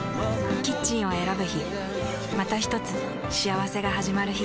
キッチンを選ぶ日またひとつ幸せがはじまる日